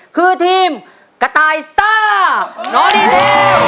คือทีมกระต่ายสต้าน้องดีเทล